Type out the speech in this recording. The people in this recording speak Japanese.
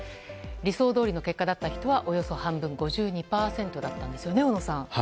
理想どおりの結果だった人はおよそ半分５２％だったんですよね小野さん。